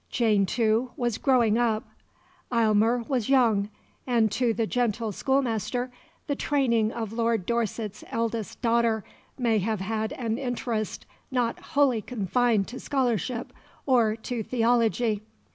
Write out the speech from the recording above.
Jane, too, was growing up; Aylmer was young; and to the "gentle schoolmaster" the training of Lord Dorset's eldest daughter may have had an interest not wholly confined to scholarship or to theology.